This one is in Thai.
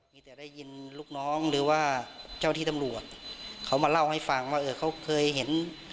มีแต่ได้ยินลูกน้องหรือว่าเจ้าที่ตำรวจเขามาเล่าให้ฟังว่าเออเขาเคยเห็น